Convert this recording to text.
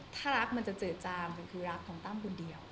ถ้ารักมันจะเจิดจามมันคือรักของตั้มคนเดียว